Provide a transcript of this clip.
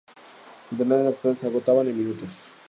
En Internet, las entradas se agotaban en minutos.